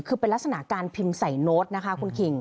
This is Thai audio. คือเป็นลักษณะการพิมพ์ใส่โน้ตนะคะคุณคิง